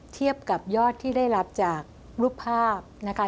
เทียบกับยอดที่ได้รับจากรูปภาพนะคะ